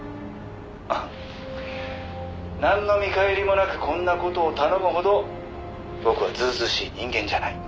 「ああなんの見返りもなくこんな事を頼むほど僕はずうずうしい人間じゃない」